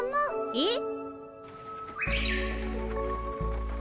えっ？